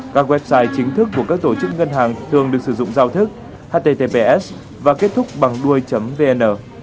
các website chính thức của các tổ chức ngân hàng thường được sử dụng giao thức https và kết thúc bằng đuôi vn